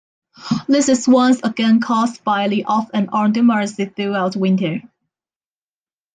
This is once again caused by the 'off-and-on' dormancy throughout winter.